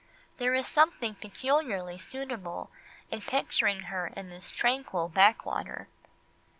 There is something peculiarly suitable in picturing her in this tranquil backwater.